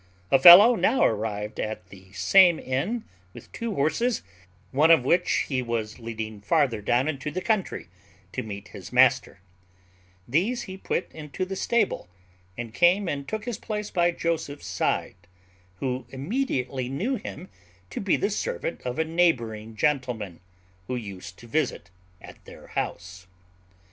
A fellow now arrived at the same inn with two horses, one of which he was leading farther down into the country to meet his master; these he put into the stable, and came and took his place by Joseph's side, who immediately knew him to be the servant of a neighbouring gentleman, who used to visit at their house.